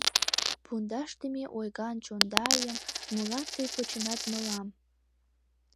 Пундашдыме ойган чондайым Молан тый почынат мылам?